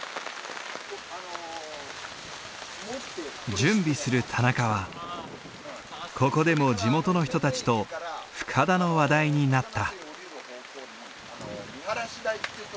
準備する田中はここでも地元の人たちと深田の話題になった。